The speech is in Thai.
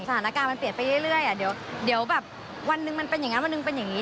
สถานการณ์มันเปลี่ยนไปเรื่อยเดี๋ยวแบบวันหนึ่งมันเป็นอย่างนั้นวันหนึ่งเป็นอย่างนี้